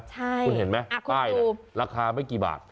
คุณเห็นไหมใกล้แล้วราคาไม่กี่บาท